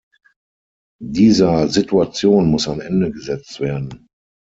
Dieser Situation muss ein Ende gesetzt werden.